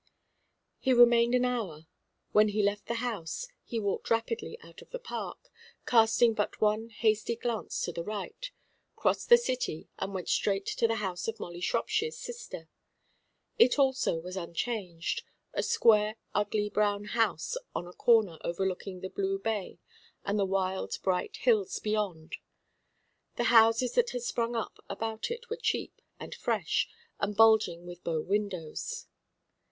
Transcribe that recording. He remained an hour. When he left the house, he walked rapidly out of the Park, casting but one hasty glance to the right, crossed the city and went straight to the house of Molly Shropshire's sister. It also was unchanged, a square ugly brown house on a corner over looking the blue bay and the wild bright hills beyond. The houses that had sprung up about it were cheap and fresh, and bulging with bow windows.